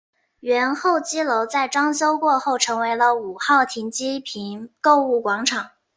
原候机楼在装修过后成为了五号停机坪购物广场。